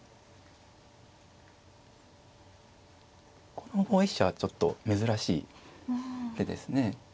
この５一飛車はちょっと珍しい手ですね。